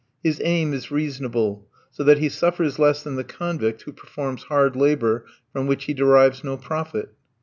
His aim is reasonable, so that he suffers less than the convict who performs hard labour from which he derives no profit.